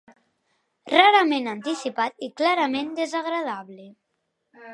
Rarament anticipat i clarament desagradable.